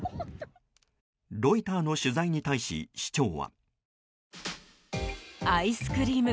ロイターの取材に対し市長は。